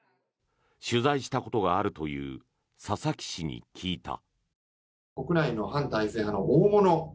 取材したことがあるという佐々木氏に聞いた。